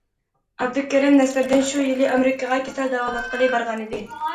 ئابدۇكېرىم نەسىردىن شۇ يىلى ئامېرىكىغا كېسەل داۋالاتقىلى بارغانىدى.